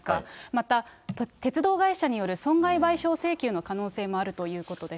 また鉄道会社による損害賠償請求の可能性もあるということです。